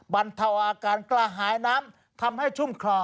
บรรเทาอาการกระหายน้ำทำให้ชุ่มคลอ